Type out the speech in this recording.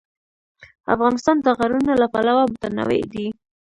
افغانستان د غرونه له پلوه متنوع دی.